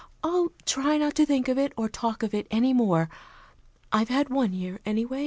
"I'll try not to think of it or talk of it any more. I've had one year, anyway.